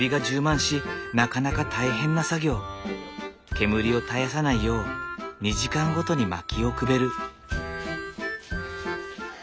煙を絶やさないよう２時間ごとに薪をくべる。